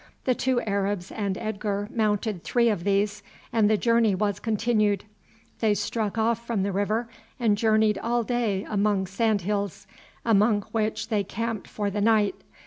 The two Arabs and Edgar mounted three of these, and the journey was continued. They struck off from the river and journeyed all day among sand hills, among which they camped for the night.